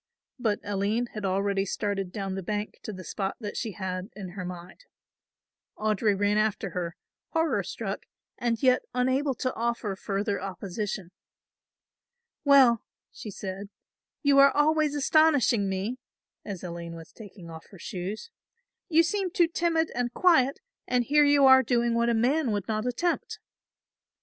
But Aline had already started down the bank to the spot that she had in her mind. Audry ran after her, horror struck and yet unable to offer further opposition. "Well," she said, "you are always astonishing me," as Aline was taking off her shoes; "you seem too timid and quiet, and here you are doing what a man would not attempt."